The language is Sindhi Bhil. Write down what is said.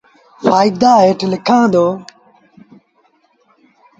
ڦآئيدآ هيٺ لکآݩ دو۔